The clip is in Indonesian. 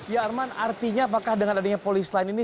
ya arman artinya apakah dengan adanya polis lain ini